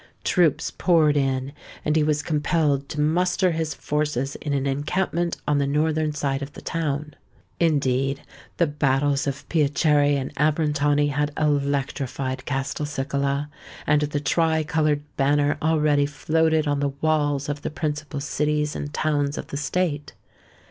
Troops poured in; and he was compelled to muster his forces in an encampment on the northern side of the town. Indeed, the battles of Piacere and Abrantani had electrified Castelcicala; and the tri coloured banner already floated on the walls of the principal cities and towns of the state.